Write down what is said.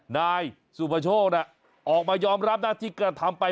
นายสุประโชคออกมายอมรับนะที่กระทำไป